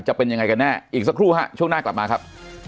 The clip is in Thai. จะเป็นยังไงกันแน่อีกสักครู่ฮะช่วงหน้ากลับมาครับ